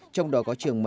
trong đó có trường mầm non